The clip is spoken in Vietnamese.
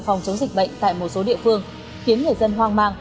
phòng chống dịch bệnh tại một số địa phương khiến người dân hoang mang